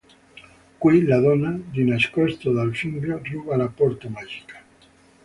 Qui la donna, di nascosto dal figlio, ruba la porta magica.